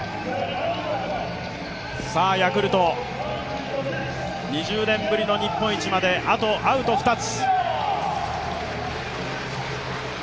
ヤクルト、２０年ぶりの日本一まであとアウト２つ。